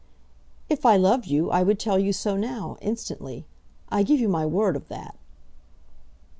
"If I loved you, I would tell you so now, instantly. I give you my word of that."